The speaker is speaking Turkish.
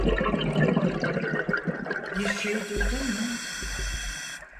Bir şey duydun mu?